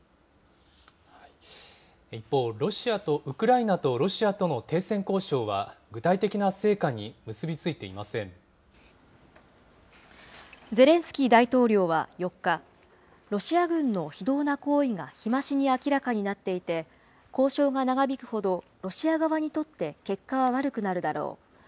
一方、ウクライナとロシアとの停戦交渉は、具体的な成果に結び付いていゼレンスキー大統領は４日、ロシア軍の非道な行為が日増しに明らかになっていて、交渉が長引くほどロシア側にとって結果は悪くなるだろう。